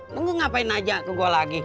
lo ngapain aja ke gue lagi